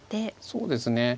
そうですね。